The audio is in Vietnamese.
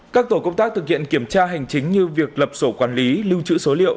các tổ công tác thực hiện kiểm tra hành chính như việc lập sổ quản lý lưu trữ số liệu